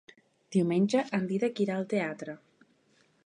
Diumenge en Dídac irà al teatre.